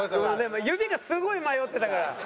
指がすごい迷ってたから。